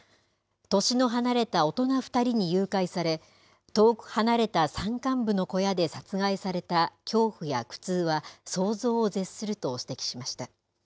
年の離れた大人２人に誘拐され、遠く離れた山間部の小屋で殺害された恐怖や苦痛は、想像を絶すると指摘しました。